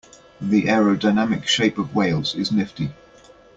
The aerodynamic shape of whales is nifty.